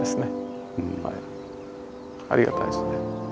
ありがたいですね。